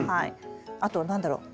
あと何だろう？